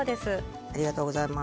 ありがとうございます。